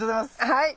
はい。